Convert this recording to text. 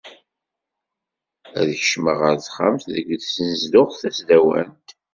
Ad kecmeɣ ɣer texxamt deg tnezduɣt tasdawant.